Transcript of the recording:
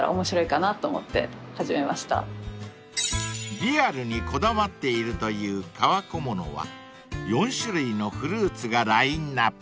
［「リアル」にこだわっているという革小物は４種類のフルーツがラインアップ］